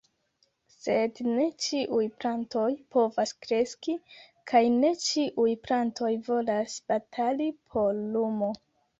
Sed ne ĉiuj plantoj povas kreski, kaj ne ĉiuj plantoj volas batali por lumo.